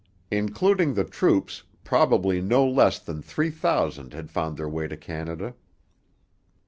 Including the troops, probably no less than three thousand had found their way to Canada.